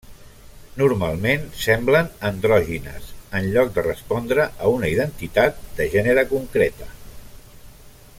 Normalment semblen andrògines, en lloc de respondre a una identitat de gènere concreta.